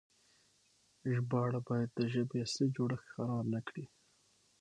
ژباړه بايد د ژبې اصلي جوړښت خراب نه کړي.